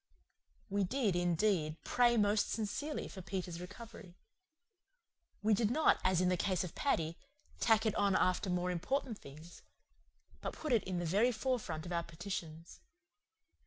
We did, indeed, pray most sincerely for Peter's recovery. We did not, as in the case of Paddy, "tack it on after more important things," but put it in the very forefront of our petitions.